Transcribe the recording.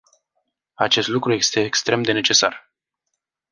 Acest lucru este extrem de necesar.